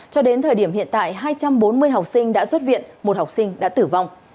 cho đến thời điểm hiện tại hai trăm bốn mươi học sinh đã xuất viện một học sinh đã tử vong